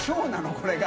これが。